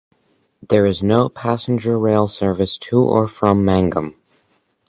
There is no passenger rail service to or from Mangum.